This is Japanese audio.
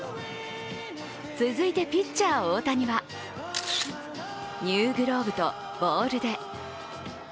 続いて、ピッチャー・大谷はニューグローブとボールで。